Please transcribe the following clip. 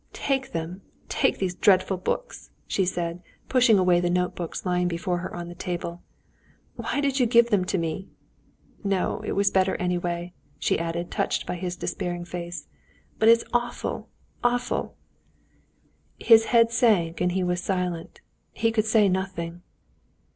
"Take them, take these dreadful books!" she said, pushing away the notebooks lying before her on the table. "Why did you give them me? No, it was better anyway," she added, touched by his despairing face. "But it's awful, awful!" His head sank, and he was silent. He could say nothing.